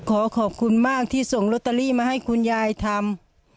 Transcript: ขอขอบคุณมากที่ส่งลอตเตอรี่มาให้คุณยายทำ